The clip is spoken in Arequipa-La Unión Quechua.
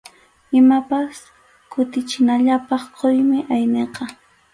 Imapas kutichinallapaq quymi ayniqa.